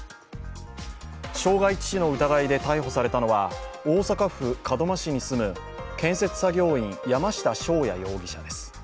傷害致死の疑いで逮捕されたのは大阪府門真市に住む建設作業員、山下翔也容疑者です。